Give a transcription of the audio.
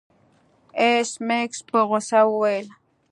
ایس میکس په غوسه وویل